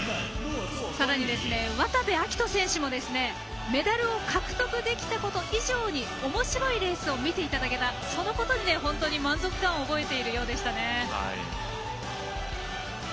さらに、渡部暁斗選手もメダルを獲得できたこと以上におもしろいレースを見ていただけたそのことに、本当に満足感を覚えているようでした。